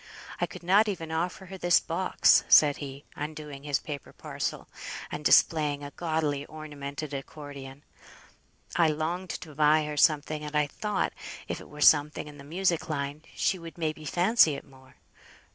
I could not even offer her this box," said he, undoing his paper parcel and displaying a gaudily ornamented accordion; "I longed to buy her something, and I thought, if it were something in the music line, she would may be fancy it more.